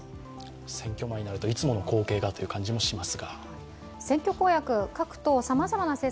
選挙前になると、いつもの光景がという感じもします。